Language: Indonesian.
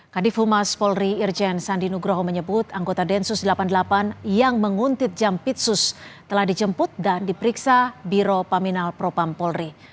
kadif humas polri irjen sandi nugroho menyebut anggota densus delapan puluh delapan yang menguntit jampitsus telah dijemput dan diperiksa biro paminal propam polri